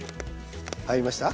入りました？